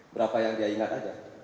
berapa yang dia ingat aja